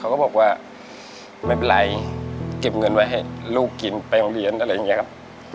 ก็บอกว่าไม่เป็นไรเก็บเงินไว้ให้ลูกกินไปโรงเรียนอะไรอย่างนี้ครับ